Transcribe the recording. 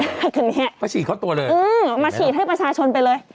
มาฉีดเขาตัวเลยเห็นไหมหรือเปล่าเออมาฉีดให้ประชาชนไปเลย